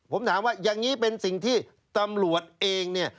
ผมถามว่าอย่างนี้เป็นสิ่งที่ตำรวจเองเนี่ย